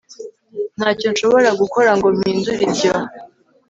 Ntacyo nshobora gukora ngo mpindure ibyo